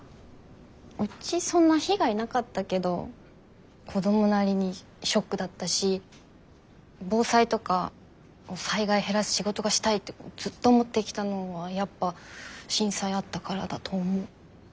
うちそんな被害なかったけど子供なりにショックだったし防災とか災害減らす仕事がしたいってずっと思ってきたのはやっぱ震災あったからだと思う。